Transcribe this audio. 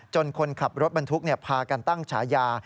คนขับรถบรรทุกพากันตั้งฉายา